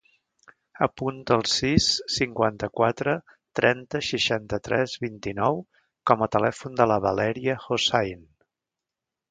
Apunta el sis, cinquanta-quatre, trenta, seixanta-tres, vint-i-nou com a telèfon de la Valèria Hossain.